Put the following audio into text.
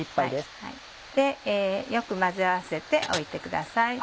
よく混ぜ合わせておいてください。